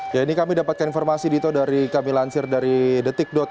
ya ini kami dapatkan informasi dito dari kami lansir dari detik com